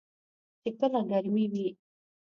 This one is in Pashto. چې کله ګرمې وي .